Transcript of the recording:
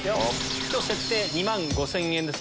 今日設定２万３０００円です。